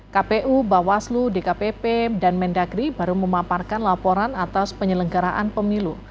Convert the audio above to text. kpu bawaslu dkpp dan mendagri baru memaparkan laporan atas penyelenggaraan pemilu